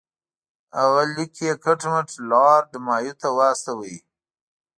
هغه لیک یې کټ مټ لارډ مایو ته واستاوه.